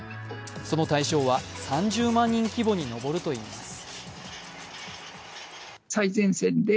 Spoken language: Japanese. その対象は３０万人規模に上るといいます。